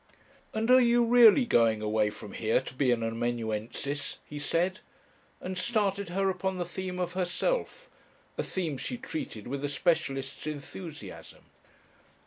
"And are you really going away from here to be an amanuensis?" he said, and started her upon the theme of herself, a theme she treated with a specialist's enthusiasm.